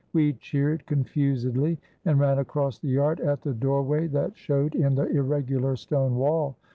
We cheered confusedly, and ran across the yard at the door way that showed in the irregular stone wall.